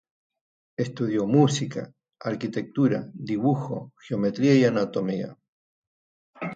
Estudió música, arquitectura, dibujo, geometría y anatomía.